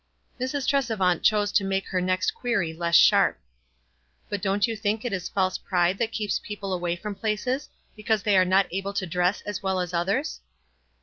Mrs. Tresevant chose to make her next query less sharp. "But don't you think it is false pride that keeps people away from places, because they are not able to dress as well as others?"